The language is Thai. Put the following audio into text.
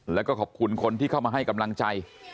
แล้วก็ขอบคุณคนที่เข้ามาให้กำลังใจ